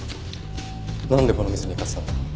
なんでこの店に行かせたんだ？